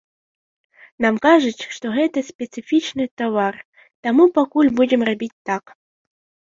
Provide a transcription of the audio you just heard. Нам кажуць, што гэта спецыфічны тавар, таму пакуль будзем рабіць так.